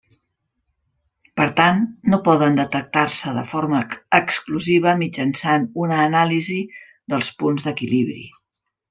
Per tant, no poden detectar-se de forma exclusiva mitjançant una anàlisi dels punts d'equilibri.